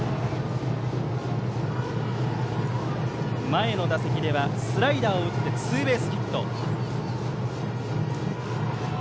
前の打席ではスライダーを打ってツーベースヒット。